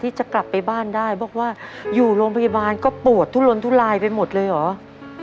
ที่จะกลับไปบ้านได้บอกว่าอยู่โรงพยาบาลก็ปวดทุลนทุลายไปหมดเลยเหรอ